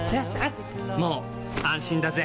もう安心だぜ！